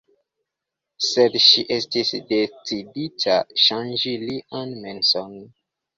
Sed ŝi estis decidita ŝanĝi lian menson.